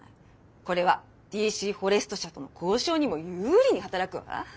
これはＤＣフォレスト社との交渉にも有利に働くわ！